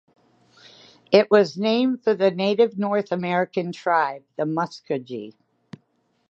It was named for the native north American tribe, the Muskogee.